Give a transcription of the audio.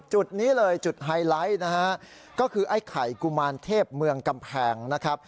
จุดนี้เลยจุดไฮไลท์นะฮะก็คือไอ้ไข่กุมารเทพเมืองกำแพงนะครับ